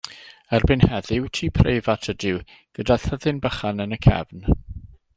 Erbyn heddiw, tŷ preifat ydyw, gyda thyddyn bychan yn y cefn.